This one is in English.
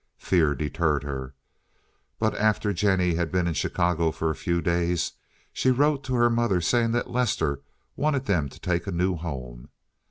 Fear deterred her. But, after Jennie had been in Chicago for a few days, she wrote to her mother saying that Lester wanted them to take a new home.